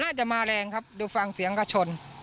น่าจะมาแรงครับดูฟังเสียงก็ชน